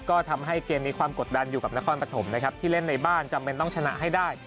ก็ทำให้เกมนี้ความกดดันอยู่กับนครปฐมนะครับที่เล่นในบ้านจำเป็นต้องชนะให้ได้